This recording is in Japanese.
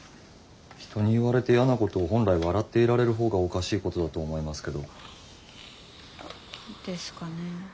人に言われて嫌なことを本来笑っていられる方がおかしいことだと思いますけど。ですかね。